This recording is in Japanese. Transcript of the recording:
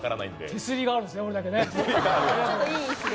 手すりがあるんですね、俺だけね。